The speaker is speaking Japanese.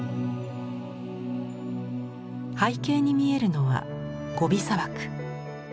背景に見えるのはゴビ砂漠。